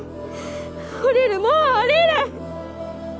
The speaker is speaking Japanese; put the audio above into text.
降りるもう降りる！